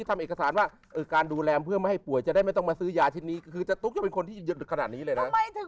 แสดงว่าตั้งแต่เรียนจบมายังไม่เคยใช้วิชาภารณ์อุณหรอ